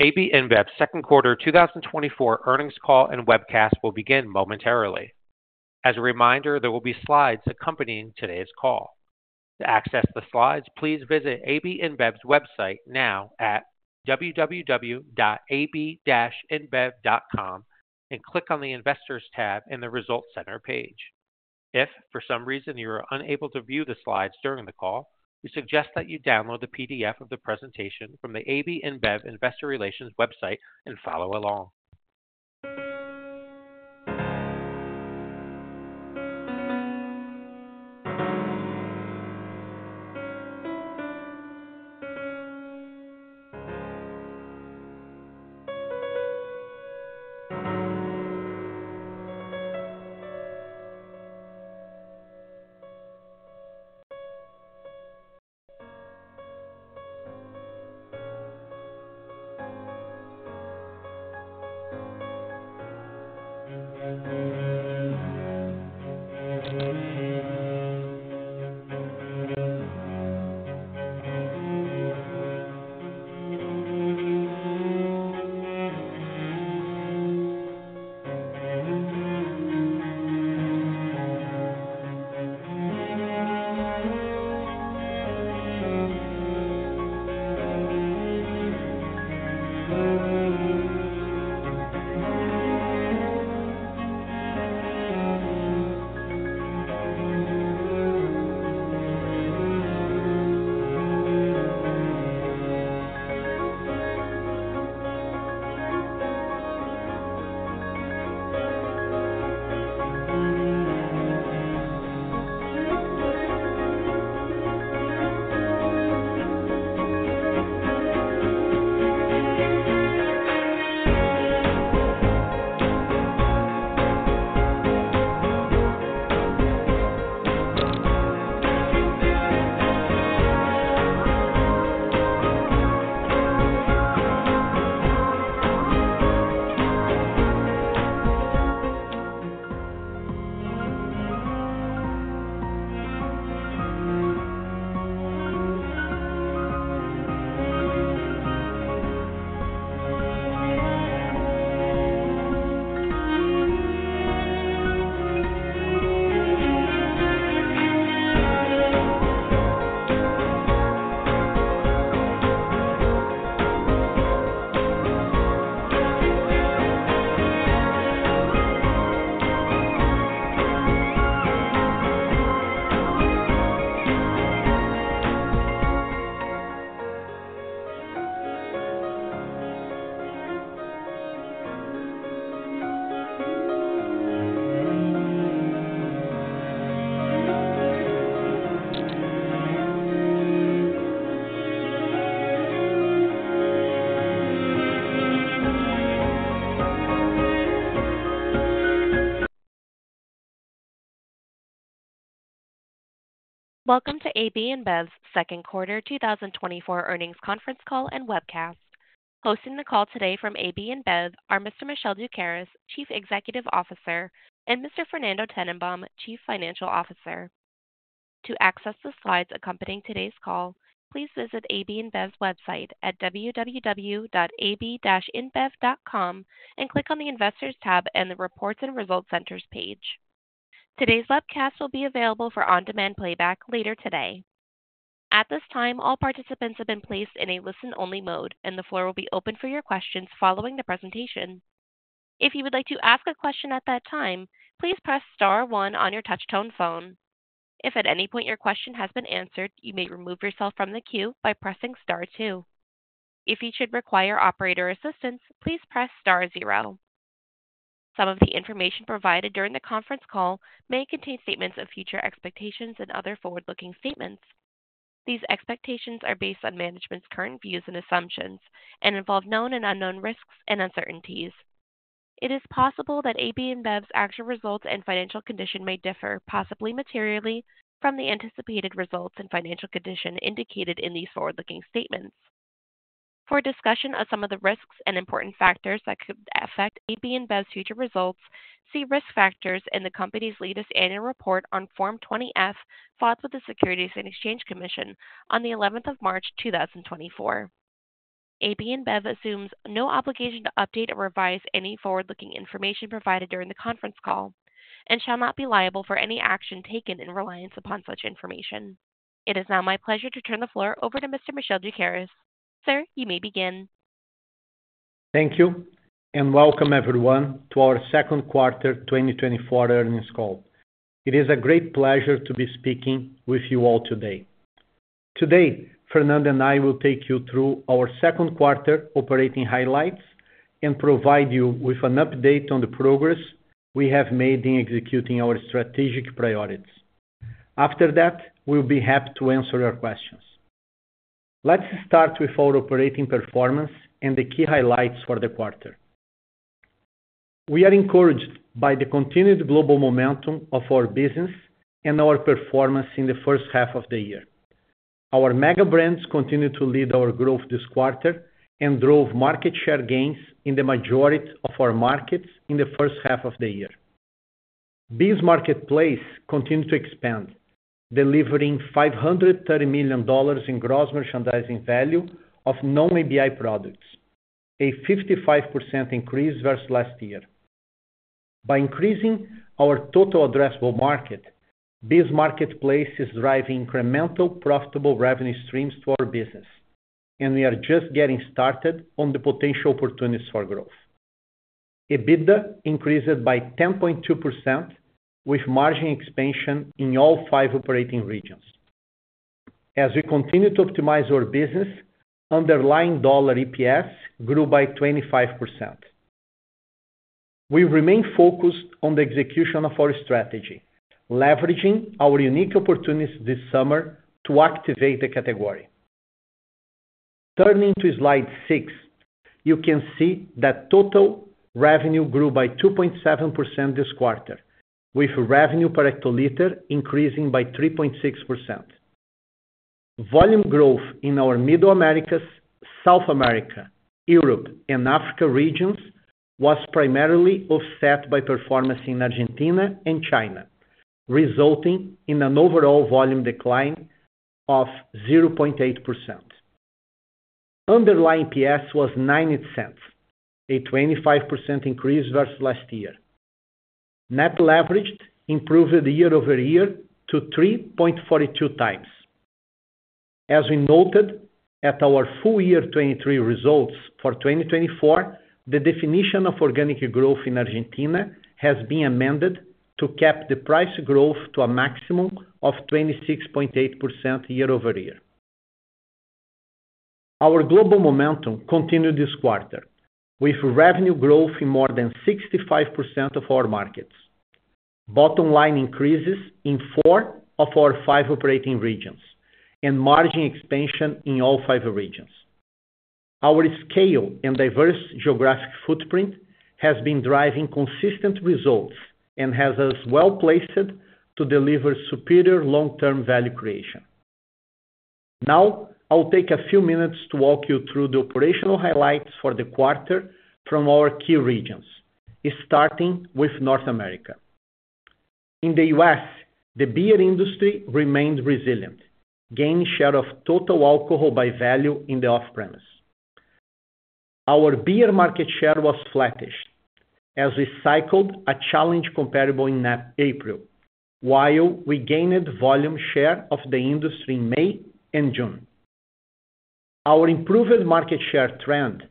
AB InBev's second quarter 2024 earnings call and webcast will begin momentarily. As a reminder, there will be slides accompanying today's call. To access the slides, please visit AB InBev's website now at www.ab-inbev.com and click on the Investors tab in the Results Center page. If, for some reason, you are unable to view the slides during the call, we suggest that you download the PDF of the presentation from the AB InBev Investor Relations website and follow along. Welcome to AB InBev's second quarter 2024 earnings conference call and webcast. Hosting the call today from AB InBev are Mr. Michel Doukeris, Chief Executive Officer, and Mr. Fernando Tennenbaum, Chief Financial Officer. To access the slides accompanying today's call, please visit AB InBev's website at www.ab-inbev.com and click on the Investors tab and the Reports and Results Centers page. Today's webcast will be available for on-demand playback later today. At this time, all participants have been placed in a listen-only mode, and the floor will be open for your questions following the presentation. If you would like to ask a question at that time, please press star one on your touchtone phone. If at any point your question has been answered, you may remove yourself from the queue by pressing star two. If you should require operator assistance, please press star zero. Some of the information provided during the conference call may contain statements of future expectations and other forward-looking statements. These expectations are based on management's current views and assumptions and involve known and unknown risks and uncertainties. It is possible that AB InBev's actual results and financial condition may differ, possibly materially, from the anticipated results and financial condition indicated in these forward-looking statements. For a discussion of some of the risks and important factors that could affect AB InBev's future results, see Risk Factors in the company's latest annual report on Form 20-F, filed with the Securities and Exchange Commission on the eleventh of March 2024. AB InBev assumes no obligation to update or revise any forward-looking information provided during the conference call and shall not be liable for any action taken in reliance upon such information. It is now my pleasure to turn the floor over to Mr.Michel Doukeris. Sir, you may begin. Thank you and welcome everyone to our second quarter 2024 earnings call. It is a great pleasure to be speaking with you all today. Today, Fernando and I will take you through our second quarter operating highlights and provide you with an update on the progress we have made in executing our strategic priorities. After that, we'll be happy to answer your questions. Let's start with our operating performance and the key highlights for the quarter. We are encouraged by the continued global momentum of our business and our performance in the first half of the year. Our mega brands continued to lead our growth this quarter and drove market share gains in the majority of our markets in the first half of the year. BEES Marketplace continued to expand, delivering $530 million in gross merchandising value of non-ABI products, a 55% increase versus last year. By increasing our total addressable market, BEES Marketplace is driving incremental profitable revenue streams to our business, and we are just getting started on the potential opportunities for growth. EBITDA increased by 10.2%, with margin expansion in all five operating regions. As we continue to optimize our business, underlying dollar EPS grew by 25%. We remain focused on the execution of our strategy, leveraging our unique opportunities this summer to activate the category. Turning to slide six, you can see that total revenue grew by 2.7% this quarter, with revenue per hectoliter increasing by 3.6%. Volume growth in our Middle Americas, South America, Europe, and Africa regions was primarily offset by performance in Argentina and China, resulting in an overall volume decline of 0.8%. Underlying EPS was $0.90, a 25% increase versus last year. Net leverage improved year-over-year to 3.42x. As we noted at our full year 2023 results for 2024, the definition of organic growth in Argentina has been amended to cap the price growth to a maximum of 26.8% year-over-year. Our global momentum continued this quarter, with revenue growth in more than 65% of our markets. Bottom line increases in four of our five operating regions and margin expansion in all five regions. Our scale and diverse geographic footprint has been driving consistent results and has us well placed to deliver superior long-term value creation. Now, I'll take a few minutes to walk you through the operational highlights for the quarter from our key regions, starting with North America. In the US, the beer industry remained resilient, gaining share of total alcohol by value in the off-premise. Our beer market share was flattish as we cycled a challenge comparable in April, while we gained volume share of the industry in May and June. Our improved market share trend,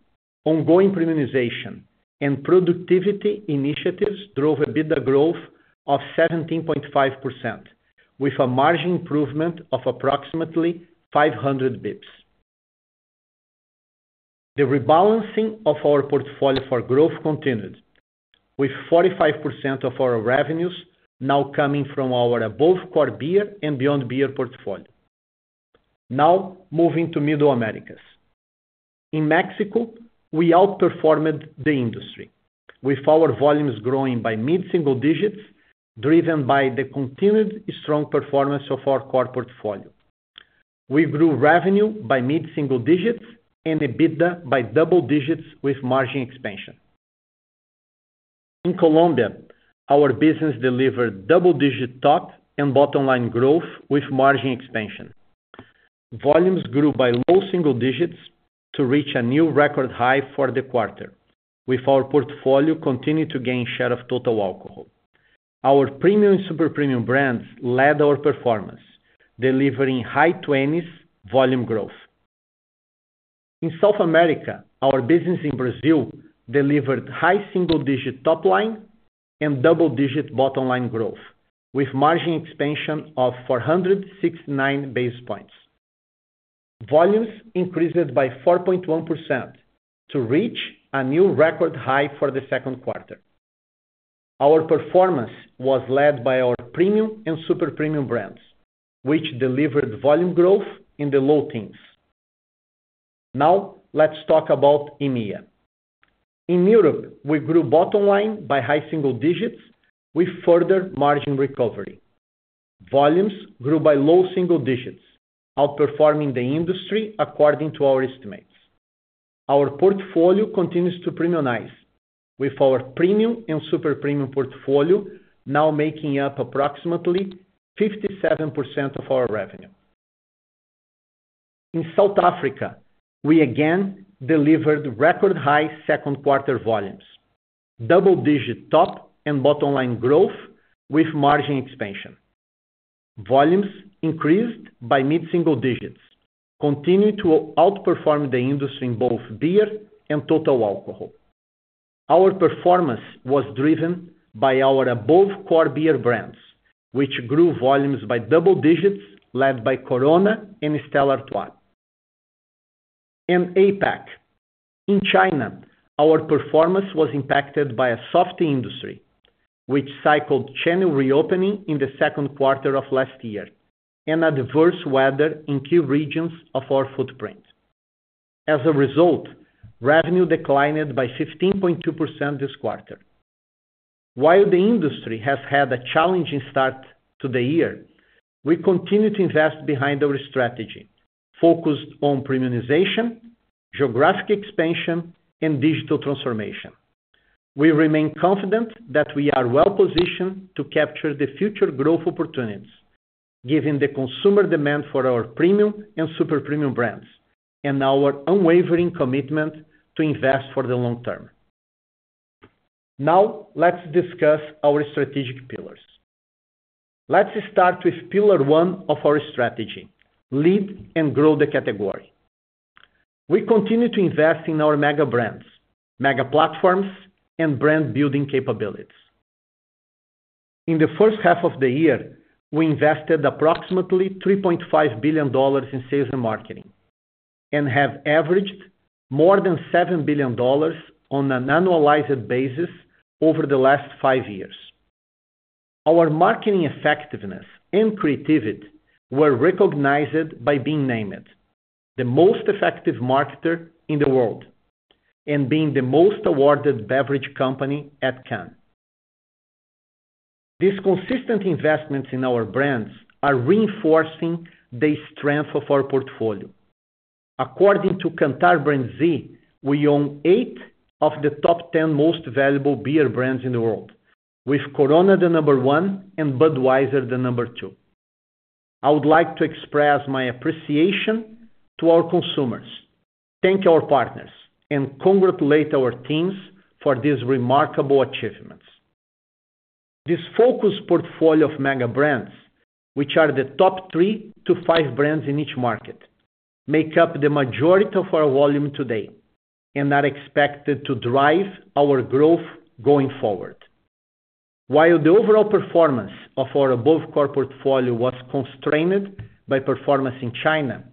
ongoing premiumization, and productivity initiatives drove an EBITDA growth of 17.5%, with a margin improvement of approximately 500 basis points. The rebalancing of our portfolio for growth continued, with 45% of our revenues now coming from our above core beer and beyond beer portfolio. Now, moving to Middle Americas. In Mexico, we outperformed the industry, with our volumes growing by mid-single digits, driven by the continued strong performance of our core portfolio. We grew revenue by mid-single digits and EBITDA by double-digits with margin expansion. In Colombia, our business delivered double-digit top and bottom-line growth with margin expansion. Volumes grew by low single-digits to reach a new record high for the quarter, with our portfolio continuing to gain share of total alcohol. Our premium and super premium brands led our performance, delivering high twenties volume growth. In South America, our business in Brazil delivered high single-digit top line and double-digit bottom-line growth, with margin expansion of 469 basis points. Volumes increased by 4.1% to reach a new record high for the second quarter. Our performance was led by our premium and super premium brands, which delivered volume growth in the low teens. Now, let's talk about EMEA. In Europe, we grew bottom line by high single-digits with further margin recovery. Volumes grew by low single-digits, outperforming the industry according to our estimates. Our portfolio continues to premiumize, with our premium and super premium portfolio now making up approximately 57% of our revenue. In South Africa, we again delivered record high second quarter volumes, double-digit top and bottom-line growth with margin expansion. Volumes increased by mid-single-digits, continuing to outperform the industry in both beer and total alcohol. Our performance was driven by our above core beer brands, which grew volumes by double-digits, led by Corona and Stella Artois. In APAC, in China, our performance was impacted by a soft industry, which cycled channel reopening in the second quarter of last year and adverse weather in key regions of our footprint. As a result, revenue declined by 15.2% this quarter. While the industry has had a challenging start to the year, we continue to invest behind our strategy, focused on premiumization, geographic expansion, and digital transformation. We remain confident that we are well positioned to capture the future growth opportunities, given the consumer demand for our premium and super premium brands, and our unwavering commitment to invest for the long term. Now, let's discuss our strategic pillars. Let's start with pillar one of our strategy, lead and grow the category. We continue to invest in our mega brands, mega platforms, and brand-building capabilities. In the first half of the year, we invested approximately $3.5 billion in sales and marketing and have averaged more than $7 billion on an annualized basis over the last five years. Our marketing effectiveness and creativity were recognized by being named the most effective marketer in the world and being the most awarded beverage company at Cannes. These consistent investments in our brands are reinforcing the strength of our portfolio. According to Kantar BrandZ, we own eight of the top 10 most valuable beer brands in the world, with Corona the number one and Budweiser the number two. I would like to express my appreciation to our consumers, thank our partners, and congratulate our teams for these remarkable achievements. This focused portfolio of mega brands, which are the top three to five brands in each market, make up the majority of our volume today, and are expected to drive our growth going forward. While the overall performance of our above core portfolio was constrained by performance in China,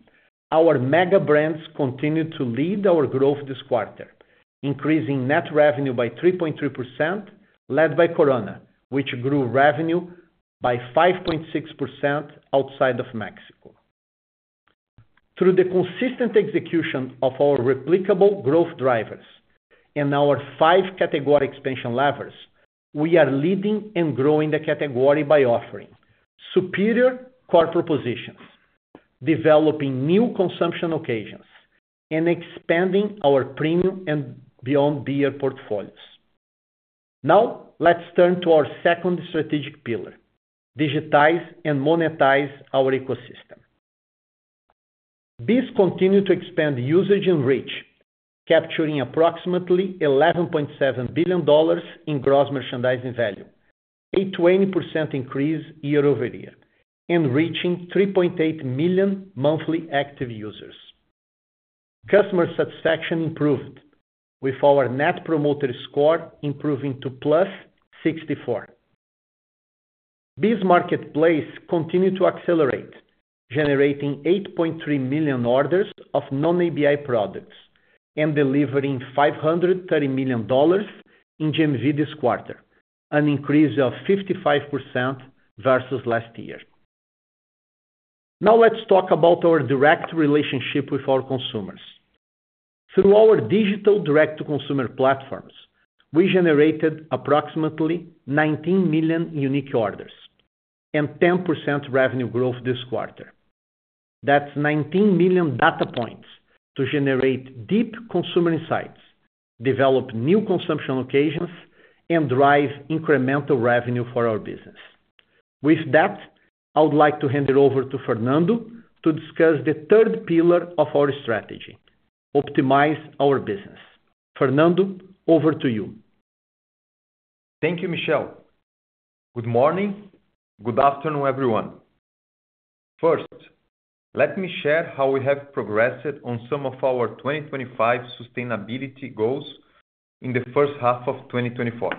our mega brands continued to lead our growth this quarter, increasing net revenue by 3.3%, led by Corona, which grew revenue by 5.6% outside of Mexico. Through the consistent execution of our replicable growth drivers and our five category expansion levers, we are leading and growing the category by offering superior core propositions, developing new consumption occasions, and expanding our premium and beyond beer portfolios. Now, let's turn to our second strategic pillar, digitize and monetize our ecosystem. BEES continued to expand usage and reach, capturing approximately $11.7 billion in gross merchandising value, a 20% increase year-over-year, and reaching 3.8 million monthly active users. Customer satisfaction improved, with our Net Promoter Score improving to +64. BEES Marketplace continued to accelerate, generating 8.3 million orders of non-ABI products and delivering $530 million in GMV this quarter, an increase of 55% versus last year. Now, let's talk about our direct relationship with our consumers. Through our digital direct-to-consumer platforms, we generated approximately 19 million unique orders and 10% revenue growth this quarter. That's 19 million data points to generate deep consumer insights, develop new consumption occasions, and drive incremental revenue for our business. With that, I would like to hand it over to Fernando to discuss the third pillar of our strategy, optimize our business. Fernando, over to you. Thank you, Michel. Good morning. Good afternoon, everyone. First, let me share how we have progressed on some of our 2025 sustainability goals in the first half of 2024.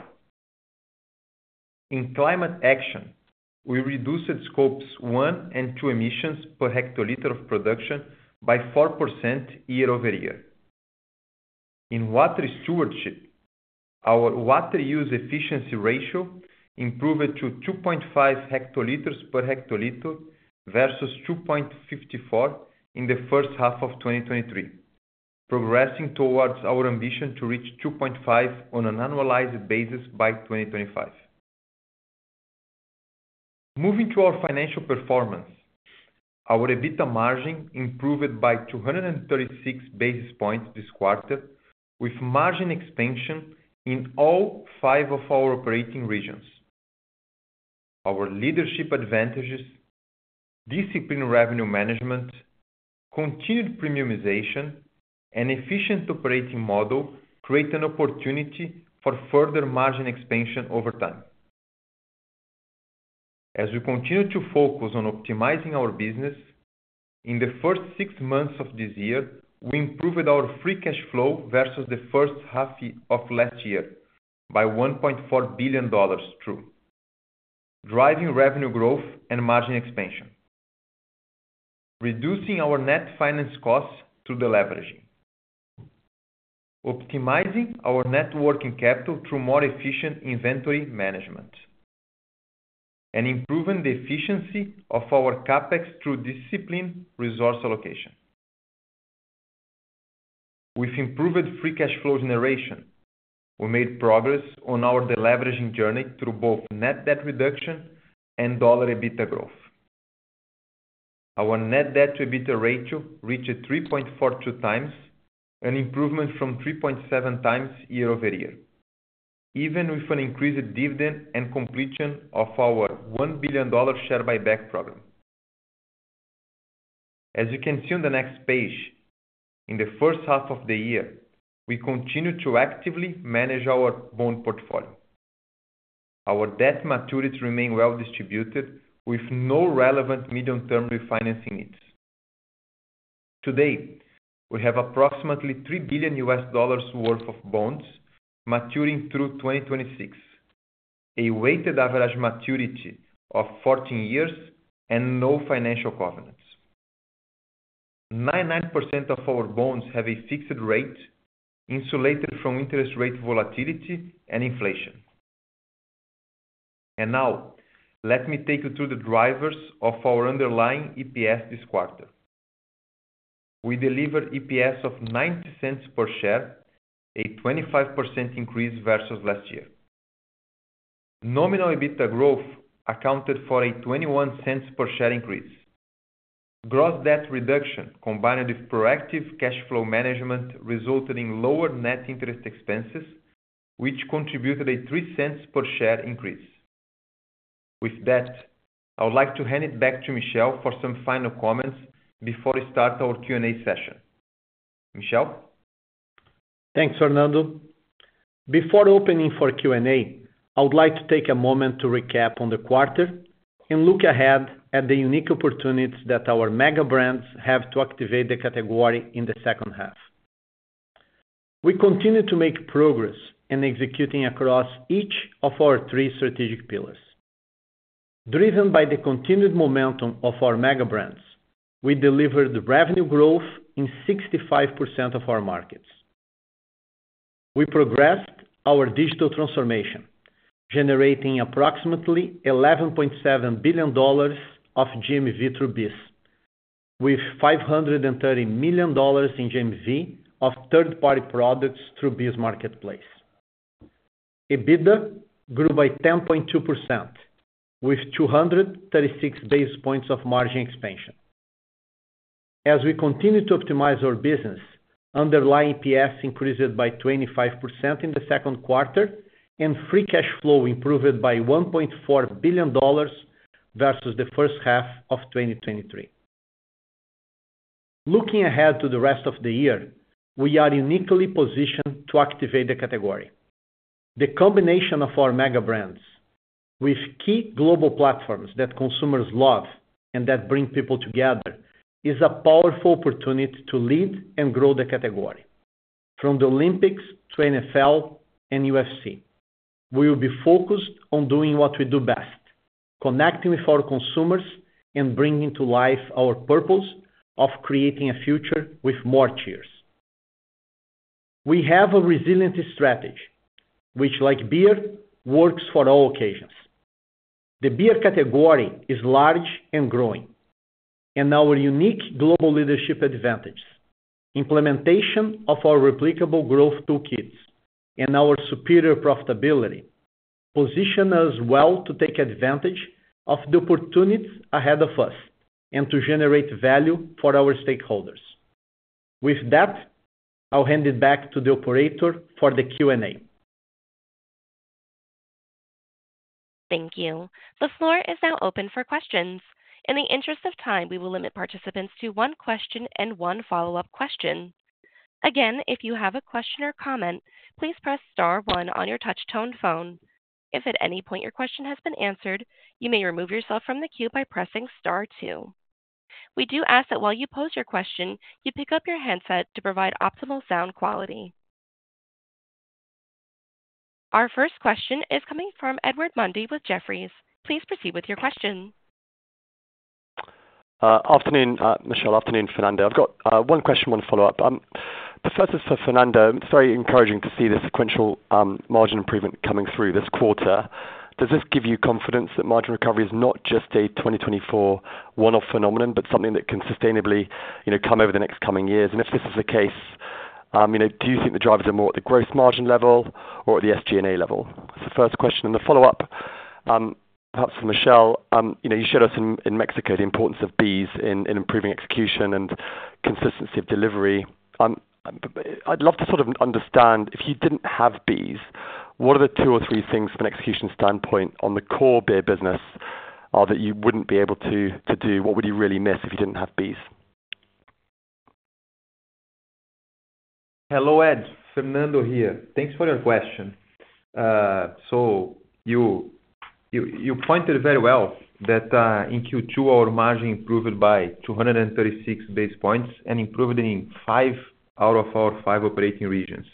In climate action, we reduced Scopes 1 and 2 emissions per hectoliter of production by 4% year-over-year. In water stewardship, our water use efficiency ratio improved to 2.5 hectoliters per hectoliter, versus 2.54 in the first half of 2023, progressing towards our ambition to reach 2.5 on an annualized basis by 2025. Moving to our financial performance, our EBITDA margin improved by 236 basis points this quarter, with margin expansion in all five of our operating regions. Our leadership advantages, disciplined revenue management, continued premiumization, and efficient operating model create an opportunity for further margin expansion over time. As we continue to focus on optimizing our business, in the first six months of this year, we improved our free cash flow versus the first half year of last year by $1.4 billion through: driving revenue growth and margin expansion, reducing our net finance costs through deleveraging, optimizing our net working capital through more efficient inventory management, and improving the efficiency of our CapEx through disciplined resource allocation With improved free cash flow generation, we made progress on our deleveraging journey through both net debt reduction and dollar EBITDA growth. Our net debt to EBITDA ratio reached 3.42 times, an improvement from 3.7x year-over-year, even with an increased dividend and completion of our $1 billion share buyback program. As you can see on the next page, in the first half of the year, we continued to actively manage our bond portfolio. Our debt maturities remain well distributed, with no relevant medium-term refinancing needs. Today, we have approximately $3 billion worth of bonds maturing through 2026, a weighted average maturity of 14 years and no financial covenants. 99% of our bonds have a fixed rate, insulated from interest rate volatility and inflation. And now, let me take you through the drivers of our underlying EPS this quarter. We delivered EPS of $0.90 per share, a 25% increase versus last year. Nominal EBITDA growth accounted for a $0.21 per share increase. Gross debt reduction, combined with proactive cash flow management, resulted in lower net interest expenses, which contributed a $0.03 per share increase. With that, I would like to hand it back to Michel for some final comments before we start our Q&A session. Michel? Thanks, Fernando. Before opening for Q&A, I would like to take a moment to recap on the quarter and look ahead at the unique opportunities that our mega brands have to activate the category in the second half. We continue to make progress in executing across each of our three strategic pillars. Driven by the continued momentum of our mega brands, we delivered revenue growth in 65% of our markets. We progressed our digital transformation, generating approximately $11.7 billion of GMV through BEES, with $530 million in GMV of third-party products through BEES Marketplace. EBITDA grew by 10.2%, with 236 basis points of margin expansion. As we continue to optimize our business, underlying PS increased by 25% in the second quarter, and free cash flow improved by $1.4 billion versus the first half of 2023. Looking ahead to the rest of the year, we are uniquely positioned to activate the category. The combination of our mega brands with key global platforms that consumers love and that bring people together, is a powerful opportunity to lead and grow the category. From the Olympics to NFL and UFC, we will be focused on doing what we do best, connecting with our consumers and bringing to life our purpose of creating a future with more cheers. We have a resilient strategy, which, like beer, works for all occasions. The beer category is large and growing, and our unique global leadership advantage, implementation of our replicable growth toolkits, and our superior profitability position us well to take advantage of the opportunities ahead of us and to generate value for our stakeholders. With that, I'll hand it back to the operator for the Q&A. Thank you. The floor is now open for questions. In the interest of time, we will limit participants to one question and one follow-up question. Again, if you have a question or comment, please press star one on your touch tone phone. If at any point your question has been answered, you may remove yourself from the queue by pressing star two. We do ask that while you pose your question, you pick up your handset to provide optimal sound quality. Our first question is coming from Edward Mundy with Jefferies. Please proceed with your question. Afternoon, Michel. Afternoon, Fernando. I've got one question, one follow-up. The first is for Fernando. It's very encouraging to see the sequential margin improvement coming through this quarter. Does this give you confidence that margin recovery is not just a 2024 one-off phenomenon, but something that can sustainably, you know, come over the next coming years? And if this is the case, you know, do you think the drivers are more at the gross margin level or at the SG&A level? That's the first question. And the follow-up, perhaps for Michel, you know, you showed us in Mexico, the importance of bees in improving execution and consistency of delivery. I'd love to sort of understand, if you didn't have BEES, what are the two or three things from an execution standpoint on the core beer business, that you wouldn't be able to do? What would you really miss if you didn't have BEES? Hello, Ed, Fernando here. Thanks for your question. So, you pointed very well that in Q2, our margin improved by 236 basis points and improved in five out of our five operating regions.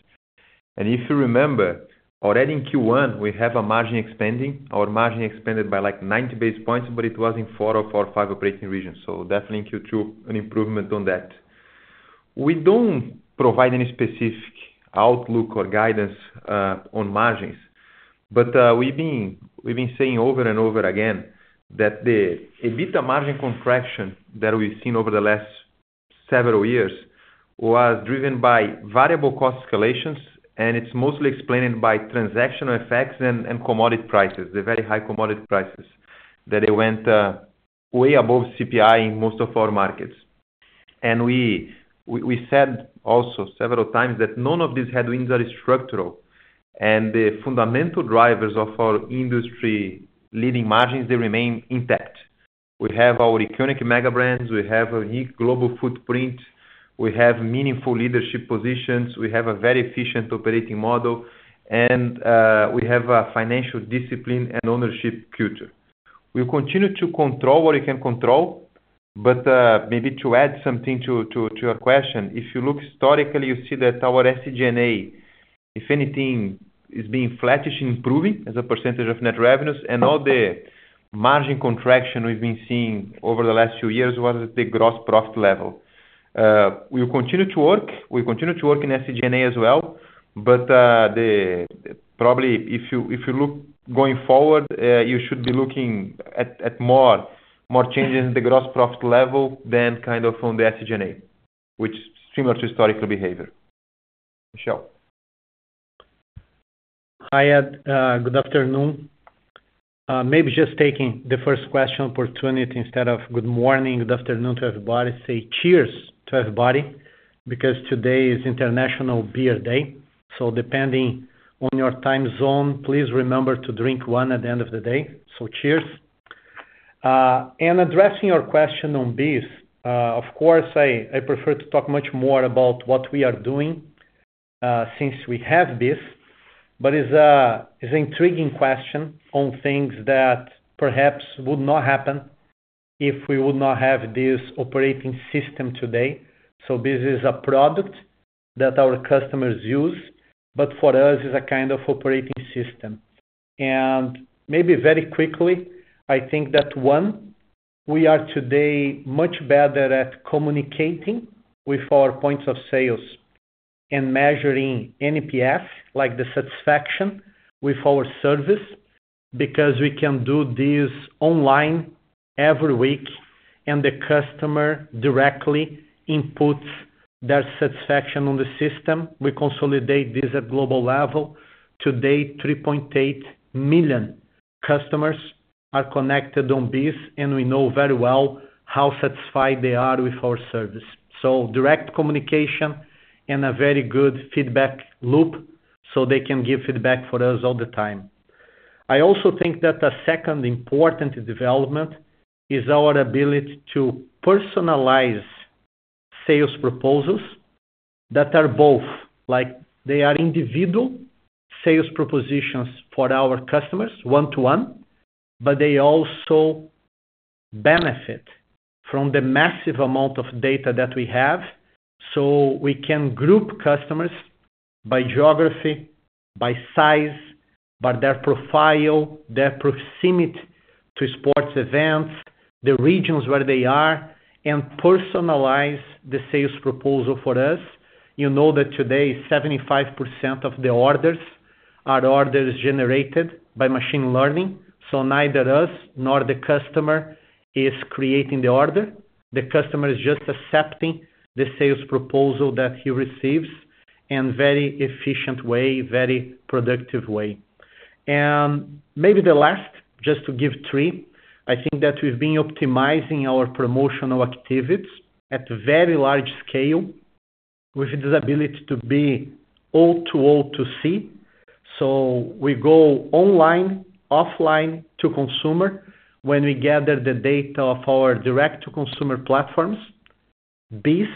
And if you remember, already in Q1, we have a margin expanding. Our margin expanded by like 90 basis points, but it was in four of our five operating regions. So definitely in Q2, an improvement on that. We don't provide any specific outlook or guidance on margins, but we've been saying over and over again that the EBITDA margin contraction that we've seen over the last several years was driven by variable cost escalations, and it's mostly explained by transactional effects and commodity prices, the very high commodity prices that it went way above CPI in most of our markets. And we said also several times that none of these headwinds are structural, and the fundamental drivers of our industry-leading margins, they remain intact. We have our iconic mega brands, we have a unique global footprint, we have meaningful leadership positions, we have a very efficient operating model, and we have a financial discipline and ownership future. We continue to control what we can control, but maybe to add something to your question, if you look historically, you see that our SG&A, if anything, is being flattish, improving as a percentage of net revenues, and all the margin contraction we've been seeing over the last few years was at the gross profit level. We will continue to work, we continue to work in SG&A as well, but probably if you, if you look going forward, you should be looking at, at more, more changes in the gross profit level than kind of on the SG&A, which is similar to historical behavior. Michel. Hi, Ed. Good afternoon. Maybe just taking the first question opportunity, instead of good morning, good afternoon to everybody, say cheers to everybody, because today is International Beer Day. So depending on your time zone, please remember to drink one at the end of the day. So, cheers. And addressing your question on BEES, of course, I, I prefer to talk much more about what we are doing, since we have BEES. But it's a, it's an intriguing question on things that perhaps would not happen if we would not have this operating system today. So this is a product that our customers use, but for us it's a kind of operating system. And maybe very quickly, I think that, one, we are today much better at communicating with our points of sales and measuring NPS, like the satisfaction with our service, because we can do this online every week, and the customer directly inputs their satisfaction on the system. We consolidate this at global level. To date, 3.8 million customers are connected on BEES, and we know very well how satisfied they are with our service. So direct communication and a very good feedback loop, so they can give feedback for us all the time. I also think that the second important development is our ability to personalize sales proposals that are both, like, they are individual sales propositions for our customers, one to one, but they also benefit from the massive amount of data that we have. So we can group customers by geography, by size, by their profile, their proximity to sports events, the regions where they are, and personalize the sales proposal for us. You know that today, 75% of the orders are orders generated by machine learning, so neither us nor the customer is creating the order. The customer is just accepting the sales proposal that he receives in very efficient way, very productive way. And maybe the last, just to give three, I think that we've been optimizing our promotional activities at very large scale with this ability to be O to O to C. So we go online, offline to consumer, when we gather the data of our direct-to-consumer platforms, BEES,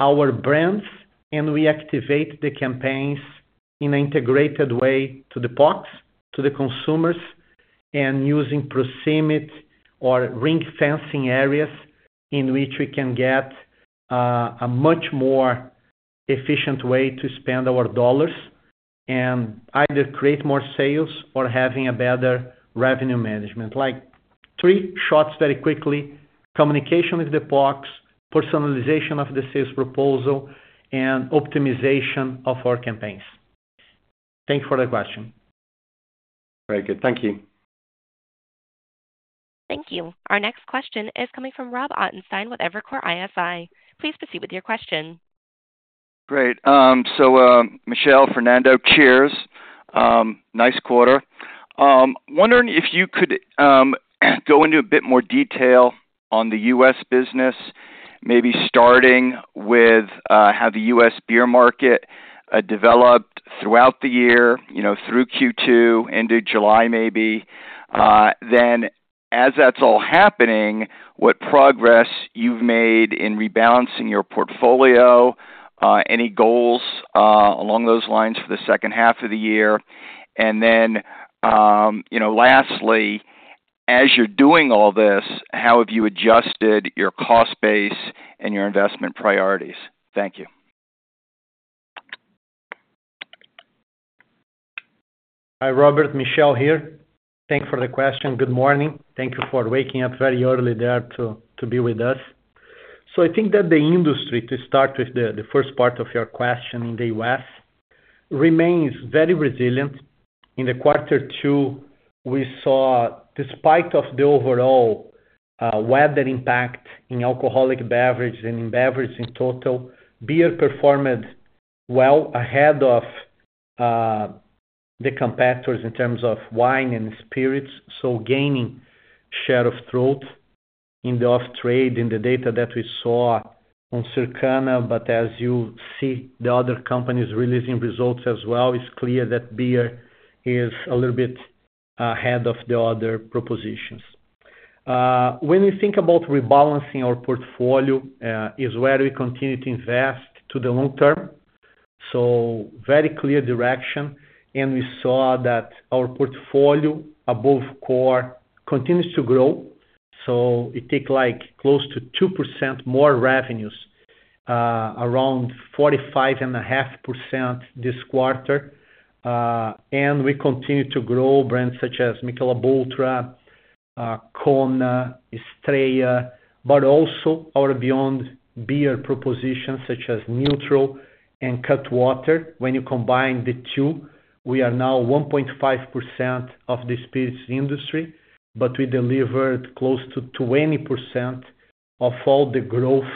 our brands, and we activate the campaigns in an integrated way to the POCs, to the consumers, and using proximity or ring fencing areas in which we can get a much more efficient way to spend our dollars, and either create more sales or having a better revenue management. Like, three shots very quickly: communication with the POCs, personalization of the sales proposal, and optimization of our campaigns. Thank you for the question. Very good. Thank you. Thank you. Our next question is coming from Rob Ottenstein with Evercore ISI. Please proceed with your question. Great. So, Michel, Fernando, cheers. Nice quarter. Wondering if you could go into a bit more detail on the US business, maybe starting with how the US beer market developed throughout the year, you know, through Q2, into July, maybe. Then, as that's all happening, what progress you've made in rebalancing your portfolio? Any goals along those lines for the second half of the year? And then, you know, lastly, as you're doing all this, how have you adjusted your cost base and your investment priorities? Thank you. Hi, Robert. Michel here. Thank you for the question. Good morning. Thank you for waking up very early there to be with us. So I think that the industry, to start with the first part of your question, in the US, remains very resilient. In the quarter two, we saw despite of the overall weather impact in alcoholic beverage and in beverage in total, beer performed well ahead of the competitors in terms of wine and spirits. So, gaining share of throat in the off trade, in the data that we saw on Circana, but as you see, the other companies releasing results as well, it's clear that beer is a little bit ahead of the other propositions. When we think about rebalancing our portfolio, is where we continue to invest to the long term. So very clear direction, and we saw that our portfolio, above core, continues to grow. So it take, like, close to 2% more revenues, around 45.5% this quarter. And we continue to grow brands such as Michelob ULTRA, Kona, Estrella, but also our beyond beer propositions such as NÜTRL and Cutwater. When you combine the two, we are now 1.5% of the spirits industry, but we delivered close to 20% of all the growth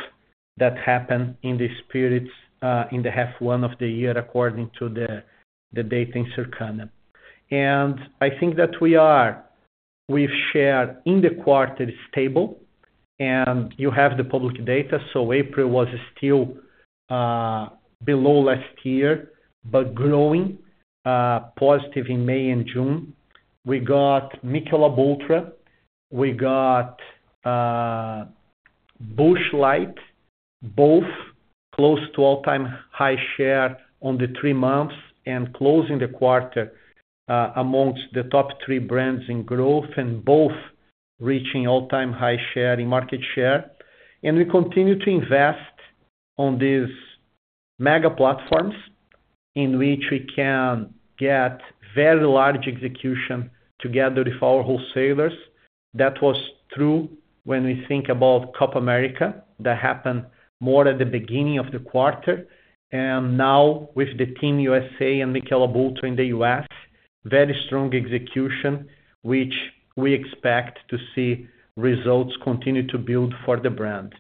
that happened in the spirits, in the first half of the year, according to the data in Circana. And I think that we are. We've shared in the quarter stable, and you have the public data, so April was still below last year, but growing positive in May and June. We got Michelob ULTRA. We got, Busch Light, both close to all-time high share on the three months and closing the quarter, among the top three brands in growth, and both reaching all-time high share in market share. And we continue to invest on these mega platforms, in which we can get very large execution together with our wholesalers. That was true when we think about Copa America. That happened more at the beginning of the quarter, and now with the Team USA and Michelob ULTRA in the US, very strong execution, which we expect to see results continue to build for the brand.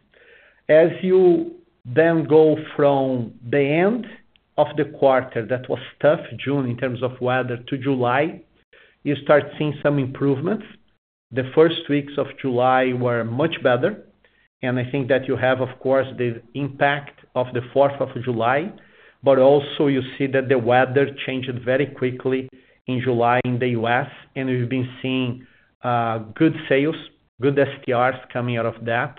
As you then go from the end of the quarter, that was tough, June, in terms of weather, to July, you start seeing some improvements. The first weeks of July were much better, and I think that you have, of course, the impact of the Fourth of July, but also you see that the weather changed very quickly in July in the US, and we've been seeing good sales, good STRs coming out of that,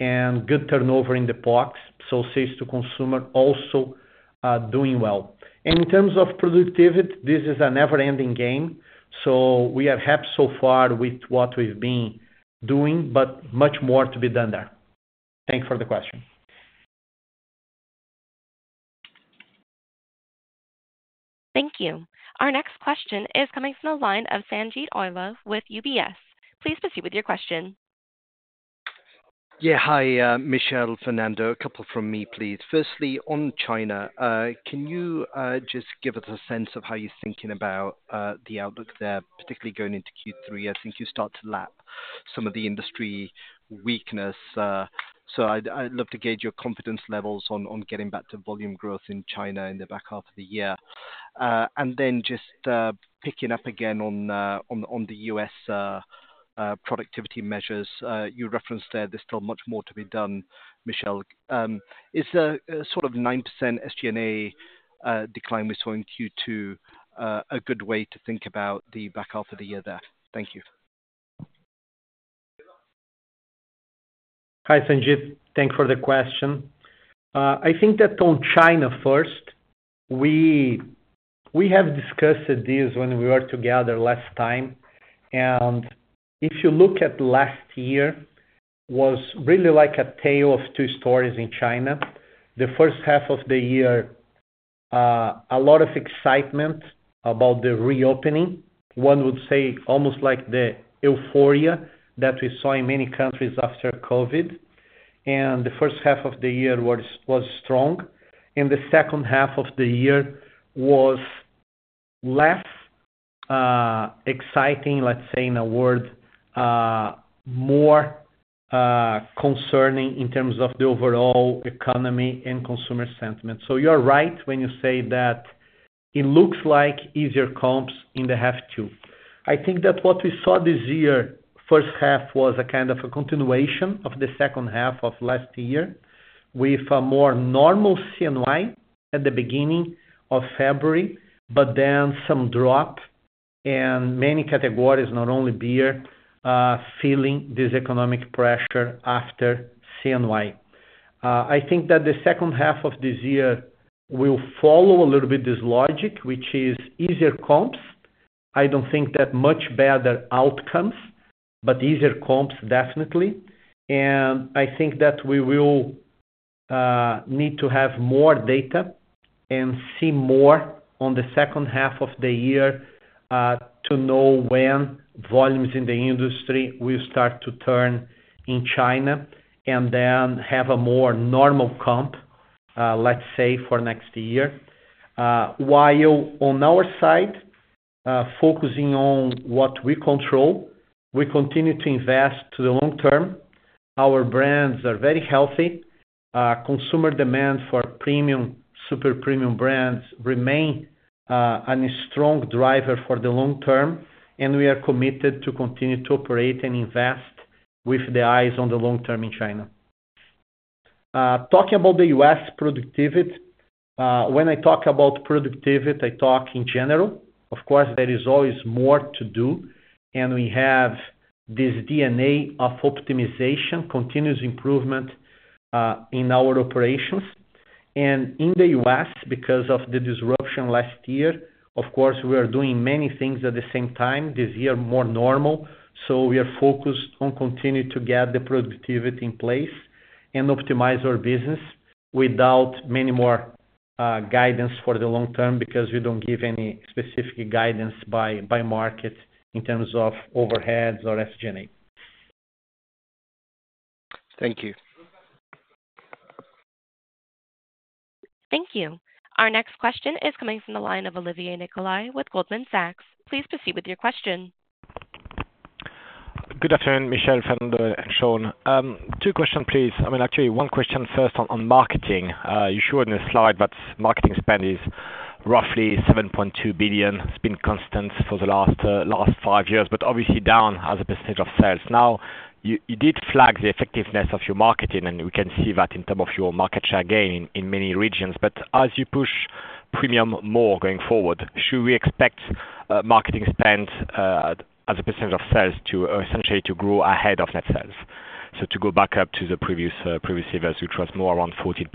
and good turnover in the packs, so sales to consumer also doing well. And in terms of productivity, this is a never-ending game, so we are happy so far with what we've been doing, but much more to be done there. Thank you for the question. Thank you. Our next question is coming from the line of Sanjeet Aujla with UBS. Please proceed with your question. Yeah. Hi, Michel, Fernando. A couple from me, please. Firstly, on China, can you just give us a sense of how you're thinking about the outlook there, particularly going into Q3? I think you start to lap some of the industry weakness, so I'd love to gauge your confidence levels on getting back to volume growth in China in the back half of the year. And then just picking up again on the US productivity measures. You referenced there, there's still much more to be done, Michel. Is a sort of 9% SG&A decline we saw in Q2 a good way to think about the back half of the year there? Thank you. Hi, Sanjeet. Thank you for the question. I think that on China first, we have discussed this when we were together last time. And if you look at last year, was really like a tale of two stories in China. The first half of the year, a lot of excitement about the reopening. One would say almost like the euphoria that we saw in many countries after COVID, and the first half of the year was strong, and the second half of the year was less exciting, let's say, in a word, more concerning in terms of the overall economy and consumer sentiment. So, you're right when you say that it looks like easier comps in the half two. I think that what we saw this year, first half, was a kind of a continuation of the second half of last year, with a more normal CNY at the beginning of February, but then some drop in many categories, not only beer, feeling this economic pressure after CNY. I think that the second half of this year will follow a little bit this logic, which is easier comps. I don't think that much better outcomes, but easier comps, definitely. I think that we will need to have more data and see more on the second half of the year to know when volumes in the industry will start to turn in China and then have a more normal comp, let's say, for next year. While on our side, focusing on what we control, we continue to invest to the long term. Our brands are very healthy. Consumer demand for premium, super premium brands remain a strong driver for the long term, and we are committed to continue to operate and invest with the eyes on the long term in China. Talking about the US productivity, when I talk about productivity, I talk in general. Of course, there is always more to do, and we have this DNA of optimization, continuous improvement, in our operations. And in the US, because of the disruption last year, of course, we are doing many things at the same time, this year, more normal, so we are focused on continuing to get the productivity in place and optimize our business without many more guidance for the long term, because we don't give any specific guidance by market in terms of overheads or SG&A. Thank you. Thank you. Our next question is coming from the line of Olivier Nicolai with Goldman Sachs. Please proceed with your question. Good afternoon, Michel, Fernando, and Sean. Two questions, please. I mean, actually, one question first on marketing. You showed in a slide that marketing spend is roughly $7.2 billion. It's been constant for the last five years, but obviously down as a percentage of sales. Now, you did flag the effectiveness of your marketing, and we can see that in terms of your market share gain in many regions. But as you push premium more going forward, should we expect marketing spend as a percentage of sales to essentially grow ahead of net sales? So, to go back up to the previous levels, which was more around 14%.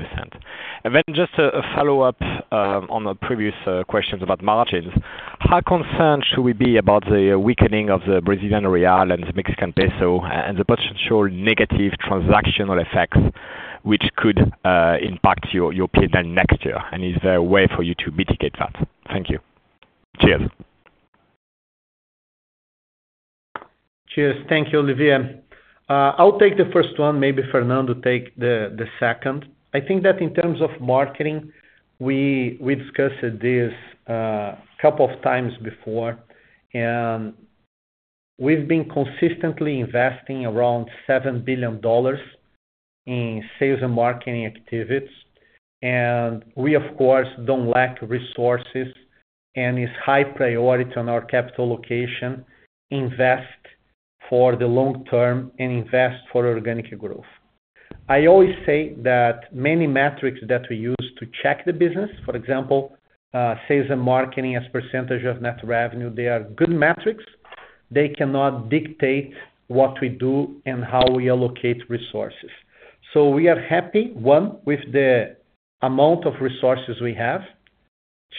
And then just a follow-up on the previous questions about margins. How concerned should we be about the weakening of the Brazilian real and the Mexican peso, and the potential negative transactional effects which could impact your P&L next year? And is there a way for you to mitigate that? Thank you. Cheers. Cheers. Thank you, Olivier. I'll take the first one, maybe Fernando take the second. I think that in terms of marketing, we, we discussed this couple of times before, and we've been consistently investing around $7 billion in sales and marketing activities. And we, of course, don't lack resources, and it's high priority on our capital allocation, invest for the long term and invest for organic growth. I always say that many metrics that we use to check the business, for example, sales and marketing as percentage of net revenue, they are good metrics. They cannot dictate what we do and how we allocate resources. So, we are happy, one, with the amount of resources we have.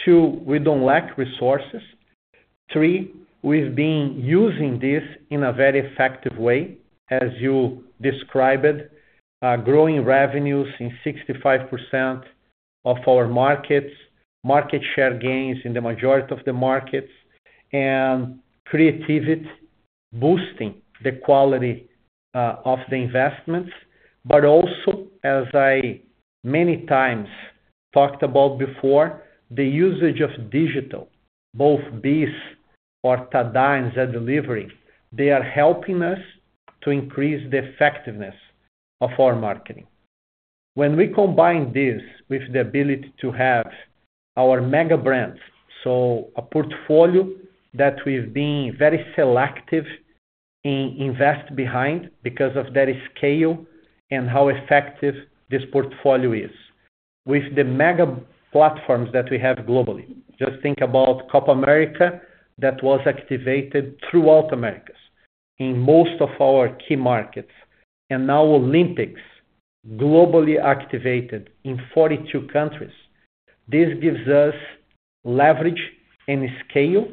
Two, we don't lack resources. Three, we've been using this in a very effective way, as you described it, growing revenues in 65% of our markets, market share gains in the majority of the markets, and creativity boosting the quality of the investments. But also, as I many times talked about before, the usage of digital, both Bees or Tada and Zé Delivery, they are helping us to increase the effectiveness of our marketing. When we combine this with the ability to have our mega brands, so a portfolio that we've been very selective in invest behind because of their scale and how effective this portfolio is. With the mega platforms that we have globally, just think about Copa America, that was activated throughout Americas in most of our key markets, and now Olympics, globally activated in 42 countries. This gives us leverage and scale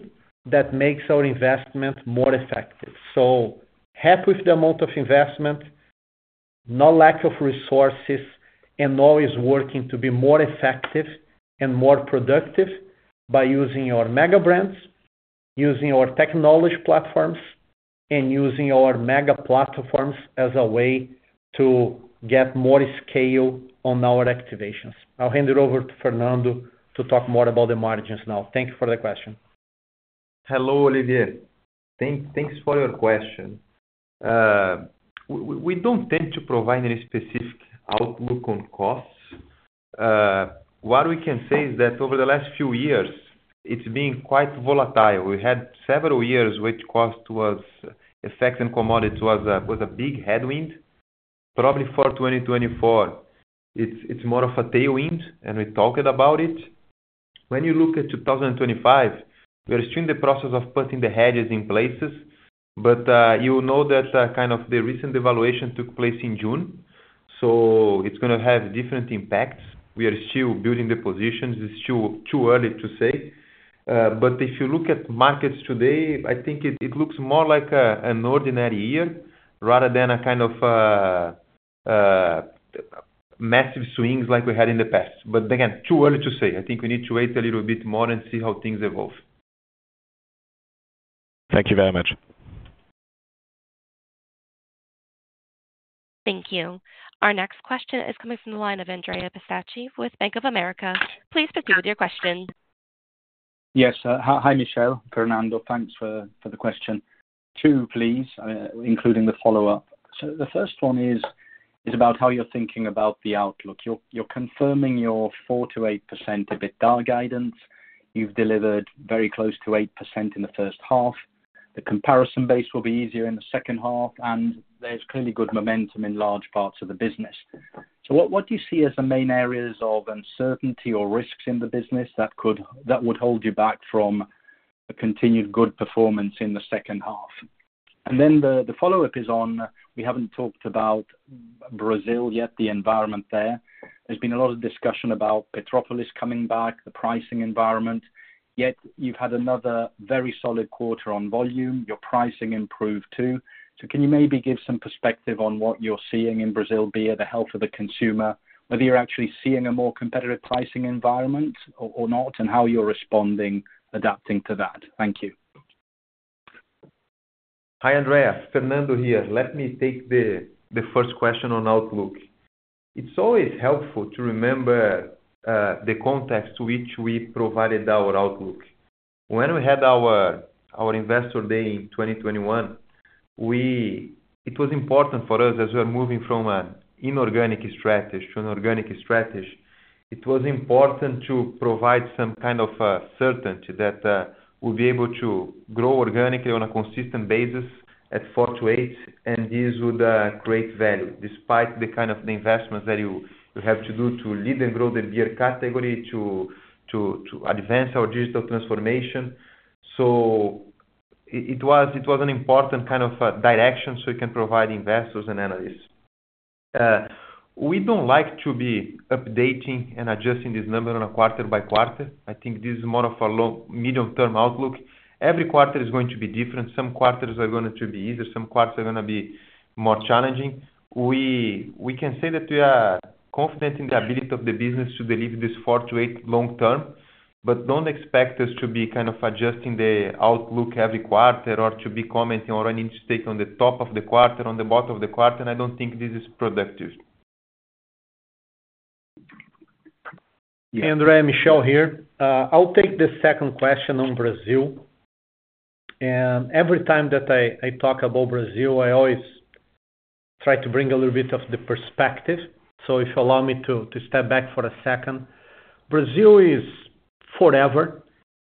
that makes our investment more effective. So happy with the amount of investment, no lack of resources, and always working to be more effective and more productive by using our mega brands, using our technology platforms, and using our mega platforms as a way to get more scale on our activations. I'll hand it over to Fernando to talk more about the margins now. Thank you for the question. Hello, Olivier. Thanks for your question. We don't tend to provide any specific outlook on costs. What we can say is that over the last few years, it's been quite volatile. We had several years which cost effects and commodity was a big headwind. Probably for 2024, it's more of a tailwind, and we talked about it. When you look at 2025, we are still in the process of putting the hedges in place, but you know that kind of the recent valuation took place in June, so it's gonna have different impacts. We are still building the positions. It's too early to say. But if you look at markets today, I think it looks more like an ordinary year, rather than a kind of massive swings like we had in the past. But again, too early to say. I think we need to wait a little bit more and see how things evolve. Thank you very much. Thank you. Our next question is coming from the line of Andrea Pistacchi with Bank of America. Please proceed with your question. Yes, hi, hi, Michel, Fernando. Thanks for the question. Two, please, including the follow-up. So the first one is about how you're thinking about the outlook. You're confirming your 4%-8% EBITDA guidance. You've delivered very close to 8% in the first half. The comparison base will be easier in the second half, and there's clearly good momentum in large parts of the business. So what do you see as the main areas of uncertainty or risks in the business that could—that would hold you back from a continued good performance in the second half? And then the follow-up is on, we haven't talked about Brazil yet, the environment there. There's been a lot of discussion about Petropolis coming back, the pricing environment, yet you've had another very solid quarter on volume. Your pricing improved, too. So can you maybe give some perspective on what you're seeing in Brazil, be it the health of the consumer, whether you're actually seeing a more competitive pricing environment or, or not, and how you're responding, adapting to that? Thank you. Hi, Andrea. Fernando here. Let me take the first question on outlook. It's always helpful to remember the context to which we provided our outlook. When we had our investor day in 2021, it was important for us, as we are moving from an inorganic strategy to an organic strategy, it was important to provide some kind of certainty that we'll be able to grow organically on a consistent basis at 4-8, and this would create value, despite the kind of investments that you have to do to lead and grow the beer category to advance our digital transformation. So, it was an important kind of direction so we can provide investors and analysts. We don't like to be updating and adjusting this number on a quarter by quarter. I think this is more of a long- to medium-term outlook. Every quarter is going to be different. Some quarters are going to be easier, some quarters are gonna be more challenging. We can say that we are confident in the ability of the business to deliver this 4-8 long-term, but don't expect us to be kind of adjusting the outlook every quarter or to be commenting on any mistake on the top of the quarter, on the bottom of the quarter. I don't think this is productive. Andrea, Michel here. I'll take the second question on Brazil. Every time that I talk about Brazil, I always try to bring a little bit of the perspective. So, if you allow me to step back for a second. Brazil is forever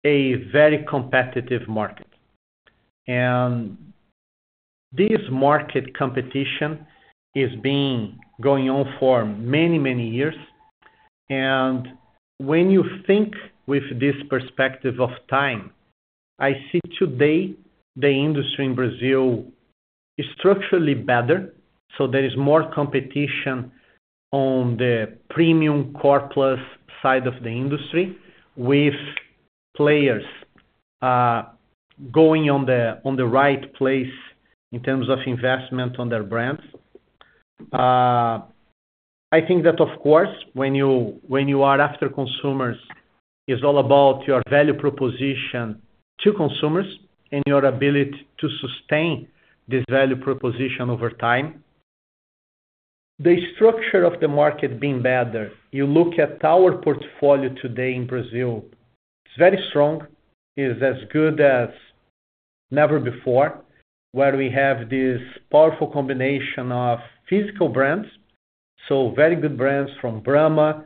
a very competitive market, and this market competition is being going on for many, many years. When you think with this perspective of time, I see today, the industry in Brazil is structurally better, so there is more competition on the premium core plus side of the industry, with players going on the right place in terms of investment on their brands. I think that of course, when you are after consumers, it's all about your value proposition to consumers and your ability to sustain this value proposition over time. The structure of the market being better, you look at our portfolio today in Brazil, it's very strong. It's as good as never before, where we have this powerful combination of physical brands, so very good brands from Brahma,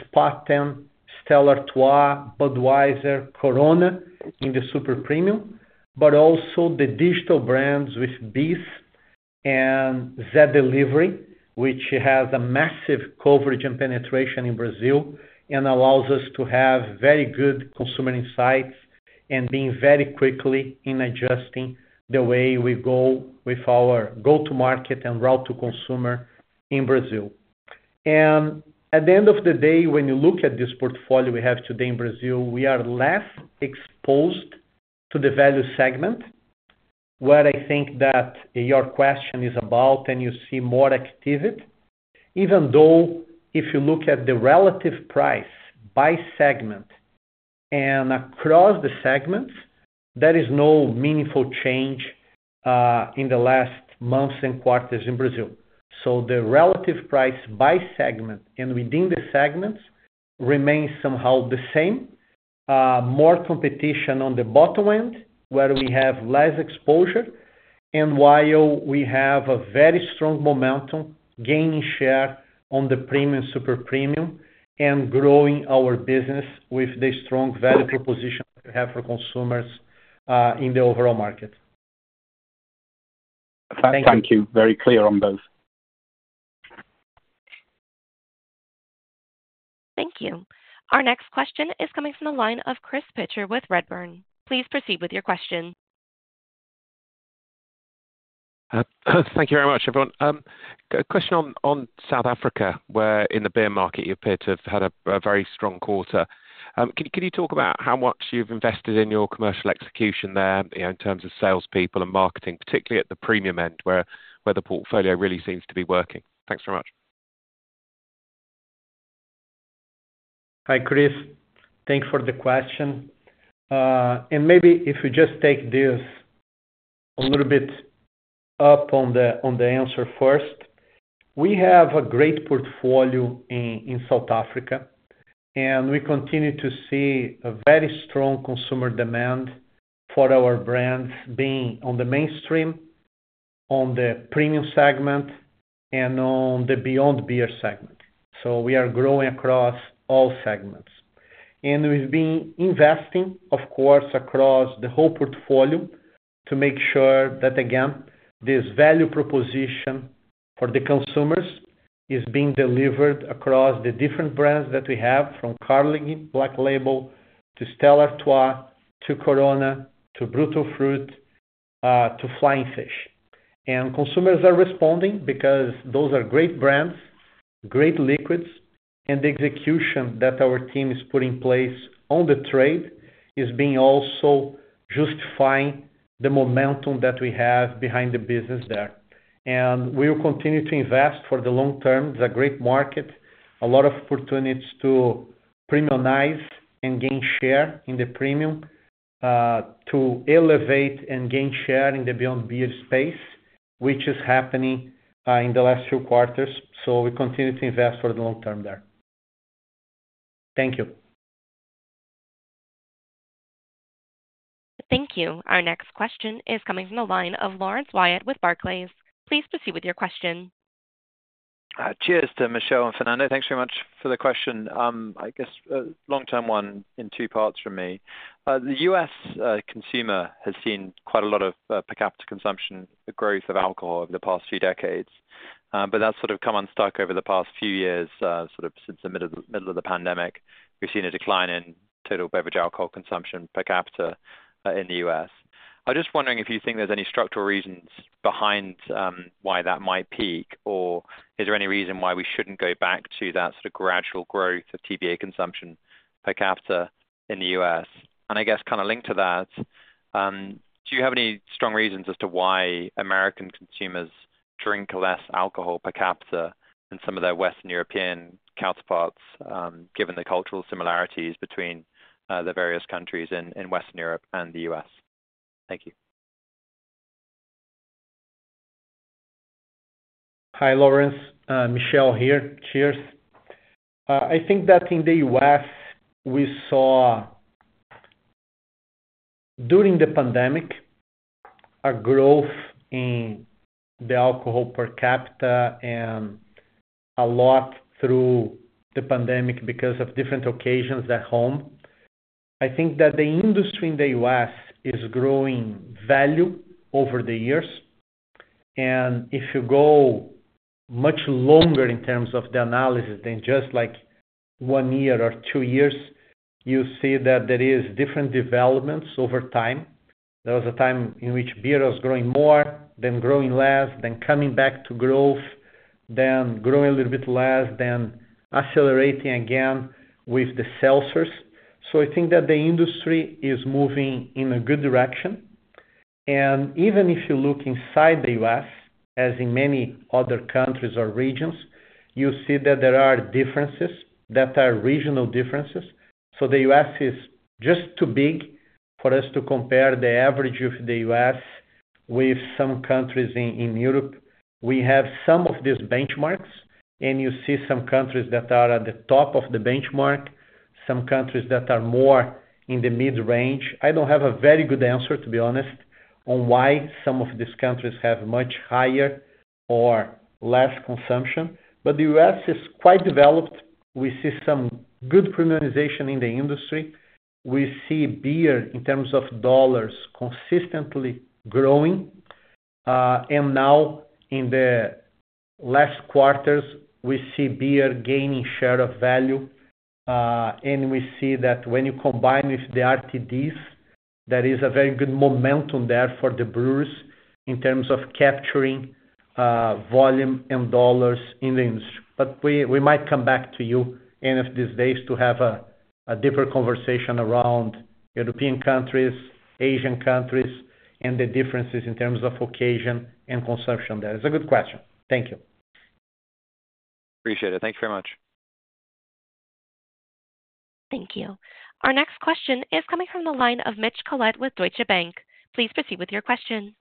Spaten, Stella Artois, Budweiser, Corona, in the super premium, but also the digital brands with BEES and Zé Delivery, which has a massive coverage and penetration in Brazil and allows us to have very good consumer insights and being very quickly in adjusting the way we go with our go-to market and route to consumer in Brazil. At the end of the day, when you look at this portfolio we have today in Brazil, we are less exposed to the value segment, where I think that your question is about, and you see more activity. Even though if you look at the relative price by segment and across the segments, there is no meaningful change, in the last months and quarters in Brazil. So the relative price by segment and within the segments remains somehow the same. More competition on the bottom end, where we have less exposure, and while we have a very strong momentum, gaining share on the premium, super premium, and growing our business with the strong value proposition we have for consumers, in the overall market. Thank you. Very clear on both. Thank you. Our next question is coming from the line of Chris Pitcher with Redburn. Please proceed with your question. Thank you very much, everyone. A question on South Africa, where in the beer market, you appear to have had a very strong quarter. Can you talk about how much you've invested in your commercial execution there, you know, in terms of salespeople and marketing, particularly at the premium end, where the portfolio really seems to be working? Thanks very much. Hi, Chris. Thank you for the question. And maybe if we just take this a little bit up on the, on the answer first. We have a great portfolio in, in South Africa, and we continue to see a very strong consumer demand for our brands being on the mainstream, on the premium segment, and on the beyond beer segment. So we are growing across all segments. And we've been investing, of course, across the whole portfolio to make sure that, again, this value proposition for the consumers is being delivered across the different brands that we have, from Carling Black Label to Stella Artois, to Corona, to Brutal Fruit, to Flying Fish. And consumers are responding because those are great brands, great liquids, and the execution that our team is putting in place on the trade is being also justifying the momentum that we have behind the business there. And we will continue to invest for the long term. It's a great market, a lot of opportunities to premiumize and gain share in the premium, to elevate and gain share in the beyond beer space, which is happening, in the last few quarters. So, we continue to invest for the long term there. Thank you. Thank you. Our next question is coming from the line of Laurence Whyatt with Barclays. Please proceed with your question. Cheers to Michel and Fernando. Thanks very much for the question. I guess, long-term one in two parts from me. The US consumer has seen quite a lot of per capita consumption, the growth of alcohol over the past few decades. But that's sort of come unstuck over the past few years, sort of since the middle of the pandemic. We've seen a decline in total beverage alcohol consumption per capita in the US. I'm just wondering if you think there's any structural reasons behind why that might peak, or is there any reason why we shouldn't go back to that sort of gradual growth of TBA consumption per capita in the US? I guess kind of linked to that, do you have any strong reasons as to why American consumers drink less alcohol per capita than some of their Western European counterparts, given the cultural similarities between the various countries in Western Europe and the US? Thank you. Hi, Lawrence. Michel here. Cheers. I think that in the US, we saw, during the pandemic, a growth in the alcohol per capita and a lot through the pandemic because of different occasions at home. I think that the industry in the US is growing value over the years, and if you go much longer in terms of the analysis than just like one year or two years, you see that there is different developments over time. There was a time in which beer was growing more, then growing less, then coming back to growth, then growing a little bit less, then accelerating again with the seltzers. So I think that the industry is moving in a good direction. And even if you look inside the US, as in many other countries or regions, you see that there are differences that are regional differences. So the US is just too big for us to compare the average of the US with some countries in Europe. We have some of these benchmarks, and you see some countries that are at the top of the benchmark, some countries that are more in the mid-range. I don't have a very good answer, to be honest, on why some of these countries have much higher or less consumption, but the US is quite developed. We see some good premiumization in the industry. We see beer, in terms of dollars, consistently growing. And now, in the last quarters, we see beer gaining share of value, and we see that when you combine with the RTDs, there is a very good momentum there for the brewers in terms of capturing volume and dollars in the industry. But we might come back to you any of these days to have a different conversation around European countries, Asian countries, and the differences in terms of occasion and consumption there. It's a good question. Thank you. Appreciate it. Thank you very much. Thank you. Our next question is coming from the line of Mitch Collett with Deutsche Bank. Please proceed with your question.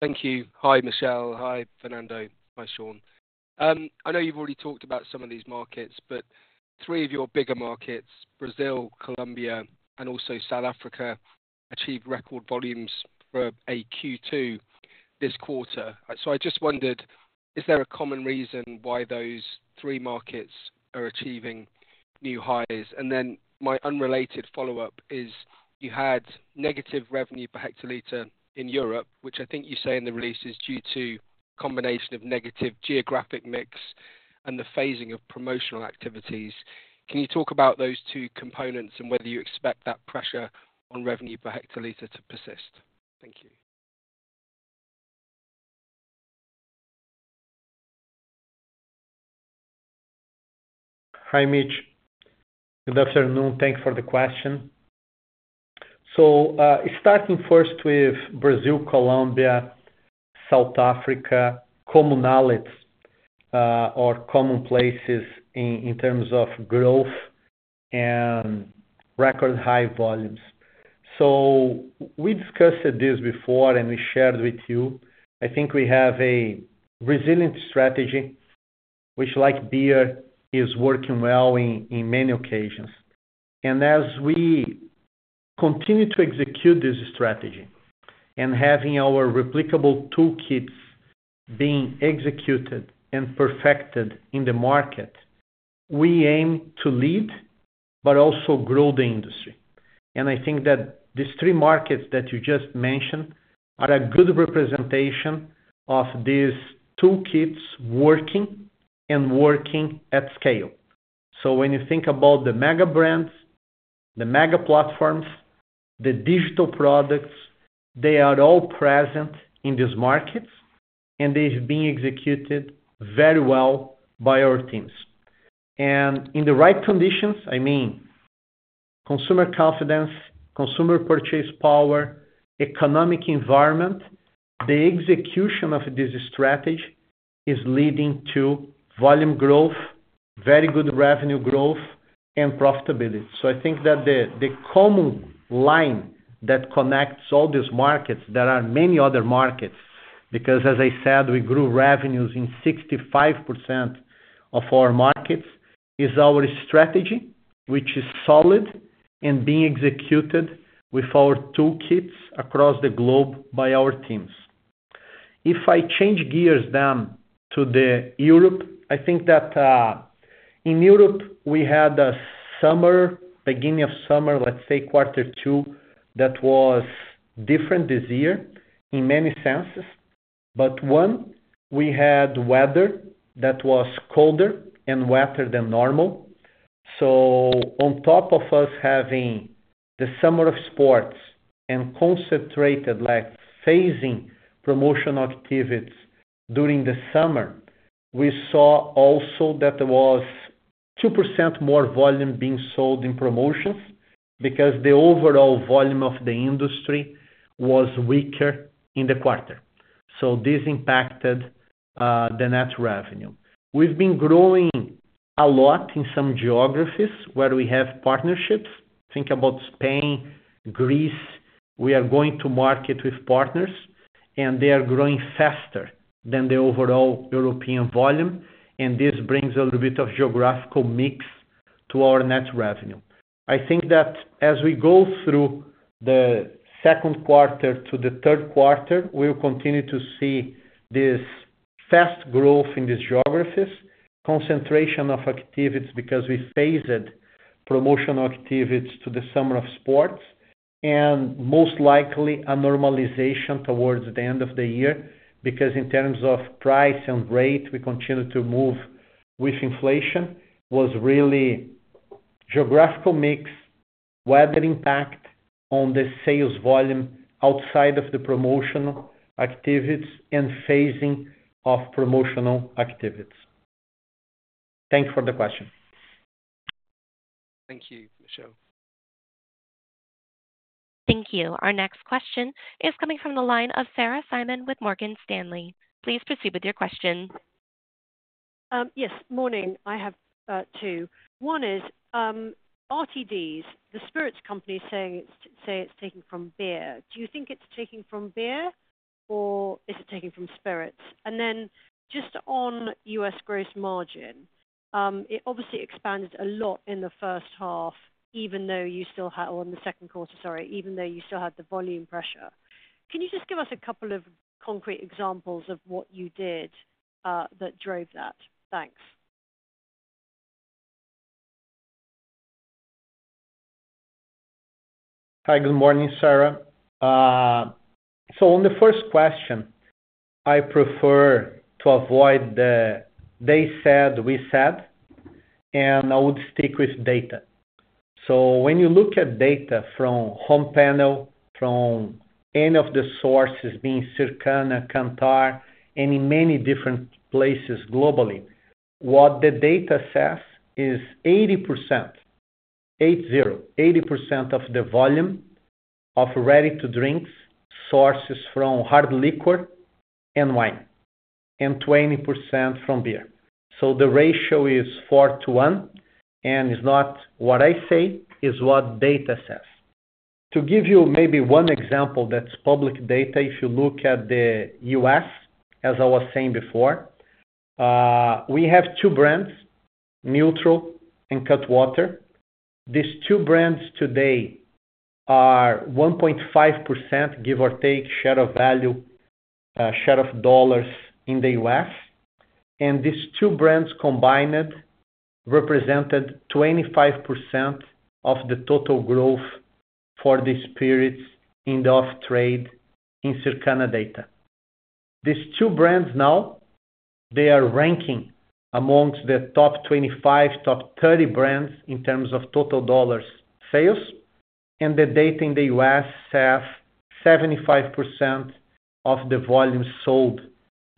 Thank you. Hi, Michel. Hi, Fernando. Hi, Sean. I know you've already talked about some of these markets, but three of your bigger markets, Brazil, Colombia, and also South Africa, achieved record volumes for a Q2 this quarter. So I just wondered, is there a common reason why those three markets are achieving new highs? And then my unrelated follow-up is, you had negative revenue per hectoliter in Europe, which I think you say in the release is due to combination of negative geographic mix and the phasing of promotional activities. Can you talk about those two components and whether you expect that pressure on revenue per hectoliter to persist? Thank you. Hi, Mitch. Good afternoon. Thanks for the question. So, starting first with Brazil, Colombia, South Africa, commonalities, or common places in, in terms of growth and record high volumes. So we discussed this before, and we shared with you. I think we have a resilient strategy, which like beer, is working well in, in many occasions. And as we continue to execute this strategy and having our replicable toolkits being executed and perfected in the market, we aim to lead but also grow the industry. And I think that these three markets that you just mentioned are a good representation of these toolkits working and working at scale. So when you think about the mega brands, the mega platforms, the digital products, they are all present in these markets, and they've been executed very well by our teams. In the right conditions, I mean, consumer confidence, consumer purchase power, economic environment, the execution of this strategy is leading to volume growth, very good revenue growth and profitability. So I think that the common line that connects all these markets, there are many other markets, because as I said, we grew revenues in 65% of our markets, is our strategy, which is solid and being executed with our toolkits across the globe by our teams. If I change gears down to Europe, I think that, in Europe, we had a summer, beginning of summer, let's say quarter two, that was different this year in many senses, but one, we had weather that was colder and wetter than normal. So on top of us having the summer of sports and concentrated like phasing promotional activities during the summer, we saw also that there was 2% more volume being sold in promotions because the overall volume of the industry was weaker in the quarter. So this impacted, the net revenue. We've been growing a lot in some geographies where we have partnerships. Think about Spain, Greece. We are going to market with partners, and they are growing faster than the overall European volume, and this brings a little bit of geographical mix to our net revenue. I think that as we go through the second quarter to the third quarter, we'll continue to see this fast growth in these geographies, concentration of activities because we phased promotional activities to the summer of sports, and most likely a normalization towards the end of the year, because in terms of price and rate, we continue to move with inflation was really geographical mix, weather impact on the sales volume outside of the promotional activities and phasing of promotional activities. Thanks for the question. Thank you, Michel. Thank you. Our next question is coming from the line of Sarah Simon with Morgan Stanley. Please proceed with your question. Yes, morning. I have two. One is, RTDs, the spirits company, saying it's taking from beer. Do you think it's taking from beer, or is it taking from spirits? And then just on US gross margin, it obviously expanded a lot in the first half, even though you still have… On the second quarter, sorry, even though you still had the volume pressure. Can you just give us a couple of concrete examples of what you did that drove that? Thanks. Hi, good morning, Sarah. So on the first question, I prefer to avoid the, they said, we said, and I would stick with data. So when you look at data from home panel, from any of the sources, being Circana, Kantar, and in many different places globally, what the data says is 80%, eight zero, 80% of the volume of ready to drink sources from hard liquor and wine, and 20% from beer. So, the ratio is 4 to 1, and it's not what I say, it's what data says. To give you maybe one example, that's public data, if you look at the US, as I was saying before, we have two brands, Nütrl and Cutwater. These two brands today are 1.5%, give or take, share of value, share of dollars in the US, and these two brands combined, represented 25% of the total growth for the spirits in the off trade in Circana data. These two brands now, they are ranking amongst the top 25, top 30 brands in terms of total dollar sales, and the data in the US have 75% of the volume sold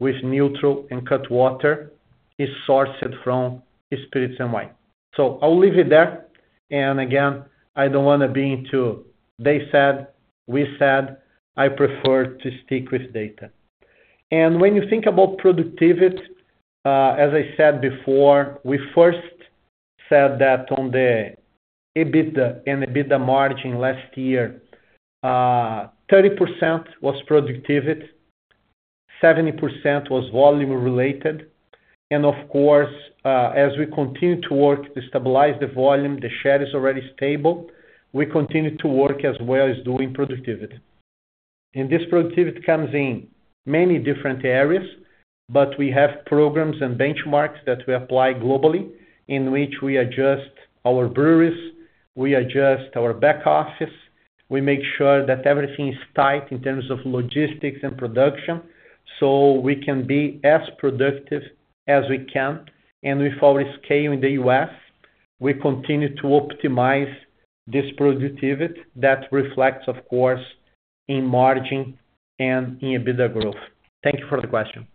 with neutral and Cutwater is sourced from spirits and wine. So, I'll leave it there. And again, I don't wanna be into, they said, we said, I prefer to stick with data. And when you think about productivity, as I said before, we first said that on the EBITDA and EBITDA margin last year, 30% was productivity, 70% was volume related. Of course, as we continue to work to stabilize the volume, the share is already stable. We continue to work as well as doing productivity. This productivity comes in many different areas, but we have programs and benchmarks that we apply globally, in which we adjust our breweries, we adjust our back office, we make sure that everything is tight in terms of logistics and production, so we can be as productive as we can. With our scale in the US., we continue to optimize this productivity that reflects, of course, in margin and in EBITDA growth. Thank you for the question.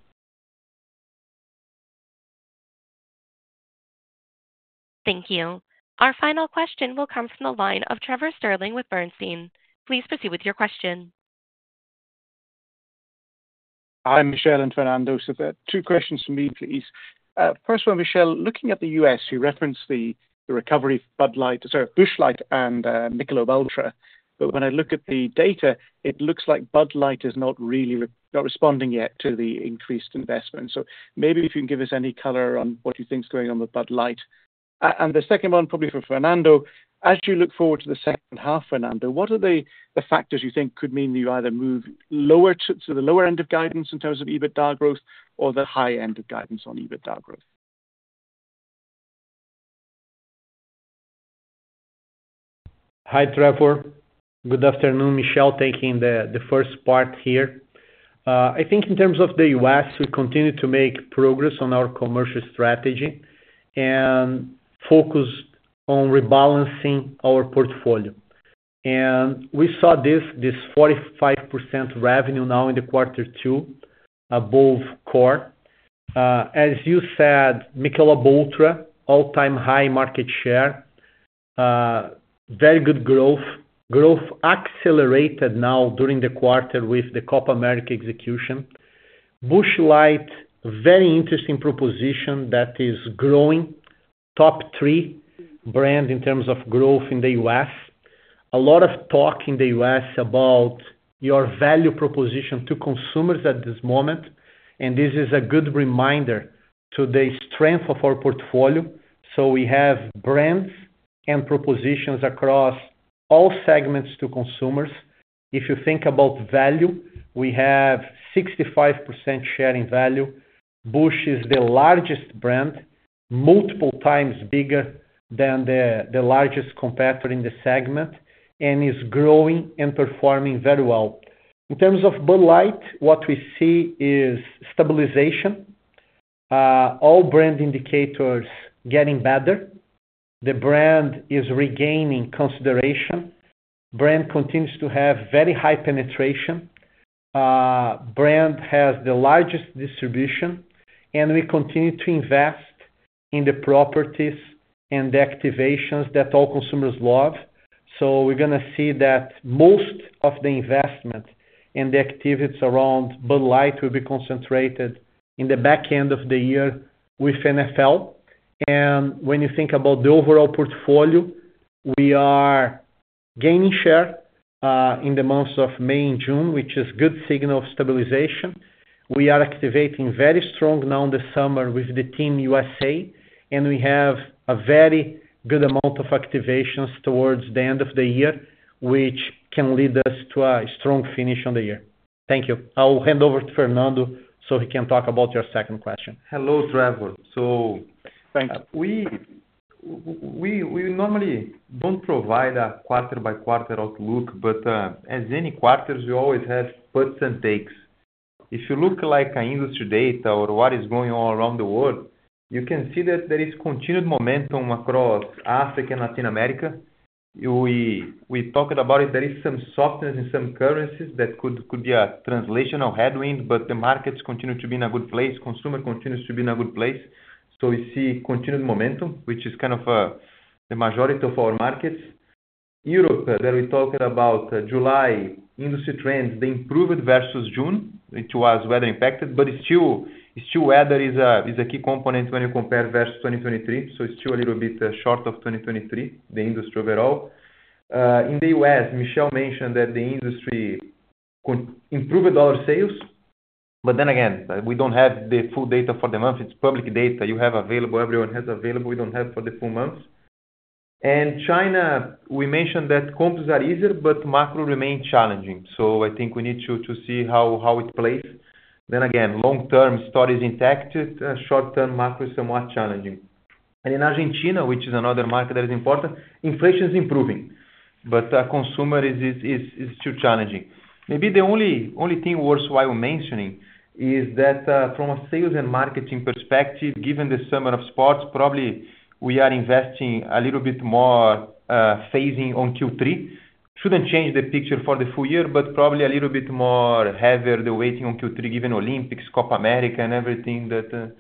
Thank you. Our final question will come from the line of Trevor Stirling with Bernstein. Please proceed with your question. Hi, Michel and Fernando. So there are two questions for me, please. First one, Michel, looking at the US, you referenced the recovery of Bud Light, sorry, Busch Light and Michelob ULTRA. But when I look at the data, it looks like Bud Light is not really not responding yet to the increased investment. So maybe if you can give us any color on what you think is going on with Bud Light. And the second one, probably for Fernando. As you look forward to the second half, Fernando, what are the factors you think could mean you either move lower to the lower end of guidance in terms of EBITDA growth or the high end of guidance on EBITDA growth? Hi, Trevor. Good afternoon. Michel taking the first part here. I think in terms of the US, we continue to make progress on our commercial strategy and focus on rebalancing our portfolio. We saw this 45% revenue now in the quarter two above core. As you said, Michelob ULTRA, all-time high market share, very good growth. Growth accelerated now during the quarter with the Copa America execution. Busch Light, very interesting proposition that is growing. Top three brand in terms of growth in the US. A lot of talk in the US about your value proposition to consumers at this moment, and this is a good reminder to the strength of our portfolio, so we have brands and propositions across all segments to consumers. If you think about value, we have 65% share in value. Busch is the largest brand, multiple times bigger than the largest competitor in the segment, and is growing and performing very well. In terms of Bud Light, what we see is stabilization. All brand indicators getting better. The brand is regaining consideration. Brand continues to have very high penetration. Brand has the largest distribution, and we continue to invest in the properties and the activations that all consumers love. So we're gonna see that most of the investment and the activities around Bud Light will be concentrated in the back end of the year with NFL. And when you think about the overall portfolio, we are gaining share in the months of May and June, which is good signal of stabilization. We are activating very strong now in the summer with the Team USA, and we have a very good amount of activations towards the end of the year, which can lead us to a strong finish on the year. Thank you. I'll hand over to Fernando, so he can talk about your second question. Hello, Trevor. So- Thank you. We normally don't provide a quarter-by-quarter outlook, but as any quarters, we always have puts and takes. If you look like an industry data or what is going on around the world, you can see that there is continued momentum across Africa and Latin America. We talked about it, there is some softness in some currencies that could be a translational headwind, but the markets continue to be in a good place, consumer continues to be in a good place. So, we see continued momentum, which is kind of the majority of our markets. Europe, that we talked about, July industry trends, they improved versus June, which was weather impacted, but it's still weather is a key component when you compare versus 2023, so it's still a little bit short of 2023, the industry overall. In the US, Michel mentioned that the industry consumption improved dollar sales, but then again, we don't have the full data for the month. It's public data you have available, everyone has available, we don't have for the full month. China, we mentioned that comps are easier, but macro remains challenging, so I think we need to see how it plays. Then again, long-term story is intact, short-term macro is somewhat challenging. In Argentina, which is another market that is important, inflation is improving, but the consumer is still challenging. Maybe the only thing worthwhile mentioning is that, from a sales and marketing perspective, given the summer of sports, probably we are investing a little bit more, phasing on Q3. Shouldn't change the picture for the full year, but probably a little bit more heavier the weighting on Q3, given Olympics, Copa America and everything that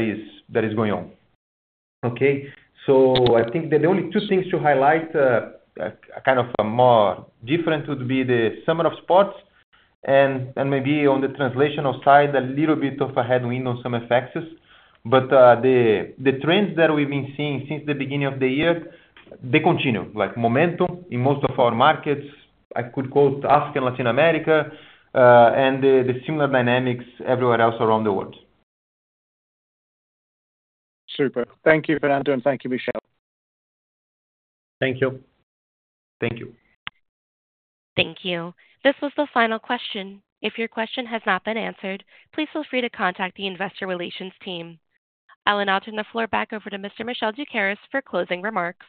is going on. Okay, so I think that the only two things to highlight, kind of a more different would be the summer of sports and maybe on the translational side, a little bit of a headwind on some effects. But the trends that we've been seeing since the beginning of the year, they continue, like momentum in most of our markets. I could quote Africa and Latin America, and the similar dynamics everywhere else around the world. Super. Thank you, Fernando, and thank you, Michel. Thank you. Thank you. Thank you. This was the final question. If your question has not been answered, please feel free to contact the investor relations team. I will now turn the floor back over to Mr. Michel Doukeris for closing remarks.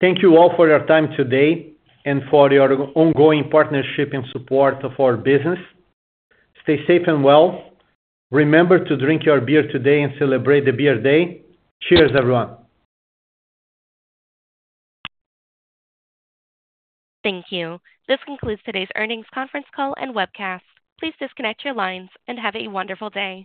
Thank you all for your time today and for your ongoing partnership and support of our business. Stay safe and well. Remember to drink your beer today and celebrate the Beer Day. Cheers, everyone! Thank you. This concludes today's earnings conference call and webcast. Please disconnect your lines and have a wonderful day.